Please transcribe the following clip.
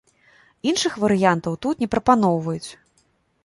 Іншых варыянтаў тут не прапаноўваюць.